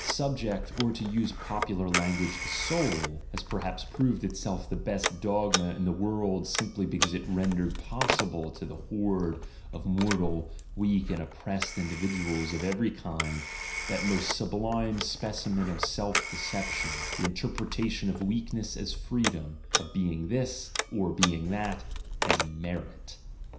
The subject (or, to use popular lan guage, the soul) has perhaps proved itself the best dogma in the world simply because it rendered possible to th horde of mortal, weak, and oppressed individuals of every kind, that most sublime specimen of self deception, the interpretation of weakness as freedom, of being this, or being that, as merit.